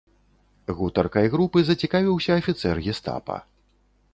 Гутаркай групы зацікавіўся афіцэр гестапа.